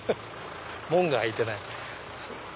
門が開いてない。